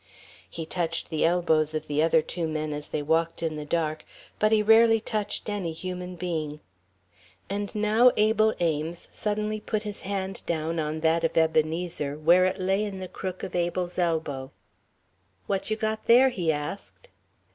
He touched the elbows of the other two men as they walked in the dark, but he rarely touched any human being. And now Abel Ames suddenly put his hand down on that of Ebenezer, where it lay in the crook of Abel's elbow. "What you got there?" he asked.